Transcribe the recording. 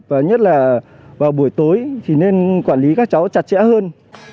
và nhất là vào buổi tối thì nên quản lý các cháu chặt chẽ hơn